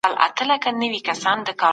سم نیت راتلونکی نه کموي.